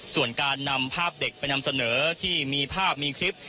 ส่วนการนำภาพเด็กไปนำเสนอที่มีภาพมีคลิป